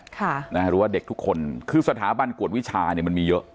หรือว่าเด็กทุกคนคือสถาบันกวดวิชาเนี่ยมันมีเยอะ